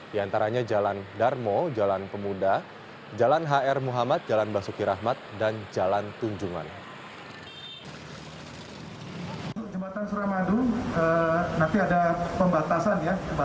di antaranya jalan darmo jalan pemuda jalan hr muhammad jalan basuki rahmat dan jalan tunjungan